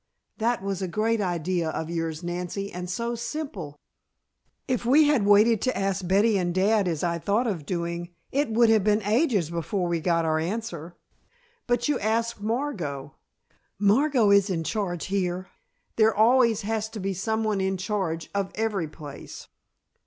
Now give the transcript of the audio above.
"That was a great idea of yours, Nancy, and so simple. If we had waited to ask Betty and Dad as I thought of doing it would have been ages before we got our answer. But you asked Margot " "Margot is in charge here. There always has to be someone in charge of every place."